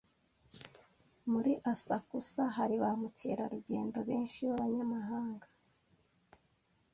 Muri Asakusa hari ba mukerarugendo benshi b’abanyamahanga.